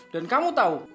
dan kamu tahu